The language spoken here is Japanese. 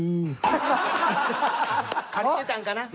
借りてたんかな。